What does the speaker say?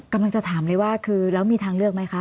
กำลังจะถามเลยว่าคือแล้วมีทางเลือกไหมคะ